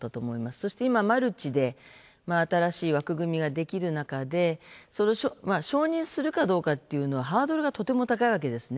そして今、マルチで新しい枠組みができる中で承認するかどうかっていうのはハードルがとても高いわけですね。